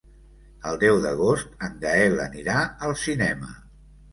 El deu d'agost en Gaël anirà al cinema.